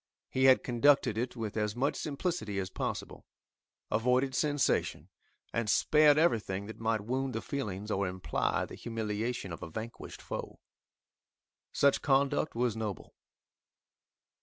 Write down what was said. He had conducted it with as much simplicity as possible, avoided sensation, and spared everything that might wound the feelings or imply the humiliation of a vanquished foe. Such conduct was noble.